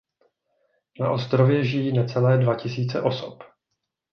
Na ostrově žijí necelé dva tisíce osob.